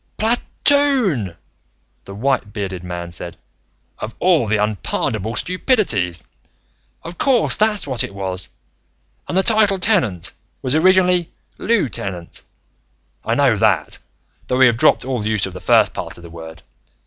"Pla toon!" the white bearded man said. "Of all the unpardonable stupidities! Of course that's what it was. And the title, Tenant, was originally lieu tenant. I know that, though we have dropped all use of the first part of the word.